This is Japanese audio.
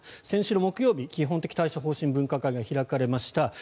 先週の木曜日基本的対処方針分科会が開かれました。